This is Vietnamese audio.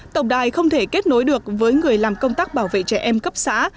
tổng đài không thể kết nối được với người làm công tác bảo vệ trẻ em cấp xã